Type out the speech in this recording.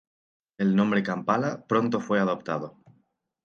El nombre Kampala pronto fue adoptado.